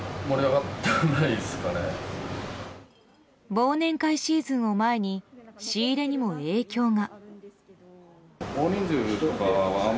忘年会シーズンを前に仕入れにも影響が。